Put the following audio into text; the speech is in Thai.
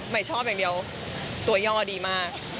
ไม่ชอบอย่างเดียวตัวย่อดีมาก